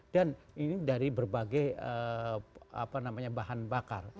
dan ini dari berbagai apa namanya bahan bakar